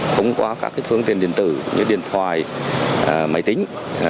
không có các phương tiện điện tử như điện thoại máy tính